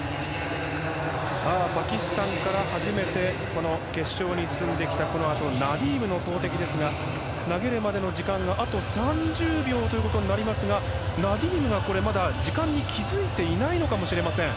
パキスタンから初めて決勝に進んできたナディームがこのあと投てきですが投げるまでの時間があと３０秒ということになりますがナディームはまだ時間に気づいていないのかもしれません。